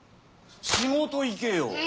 仕事行けよ。